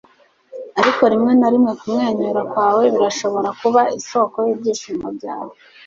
ariko rimwe na rimwe kumwenyura kwawe birashobora kuba isoko y'ibyishimo byawe